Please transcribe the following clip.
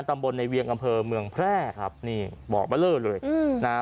ตำบลในเวียงอำเภอเมืองแพร่ครับนี่บ่อเบอร์เลอร์เลยอืมนะฮะ